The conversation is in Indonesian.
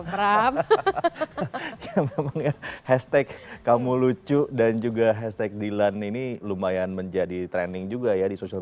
hashtag kamu lucu dan juga hashtag dilan ini lumayan menjadi trending juga ya di social